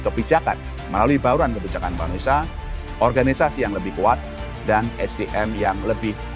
kebijakan melalui bauran kebijakan bangsa organisasi yang lebih kuat dan sdm yang lebih